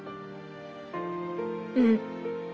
うん。